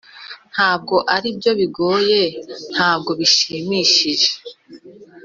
ntabwo aribyo bigoyentabwo bishimishije.